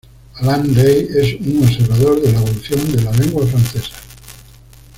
Alain Rey es un observador de la evolución de la lengua francesa.